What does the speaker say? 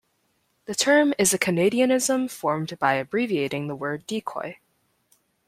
The term is a Canadianism formed by abbreviating the word "decoy".